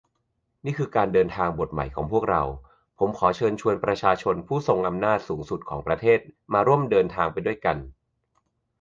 นี่คือการเดินทางบทใหม่ของพวกเรา ผมขอเชิญชวนประชาชนผู้ทรงอำนาจสูงสุดของประเทศมาร่วมเดินทางไปด้วยกัน